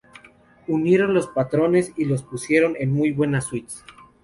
Unieron los patrones y los pusieron en muy buen suites.